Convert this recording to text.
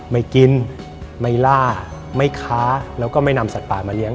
ไม่กินไม่ล่าไม่ค้าแล้วก็ไม่นำสัตว์ป่ามาเลี้ย